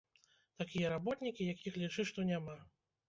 Такія работнікі, якіх лічы што няма.